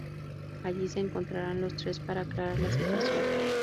Allí se encontrarán los tres para aclarar la situación.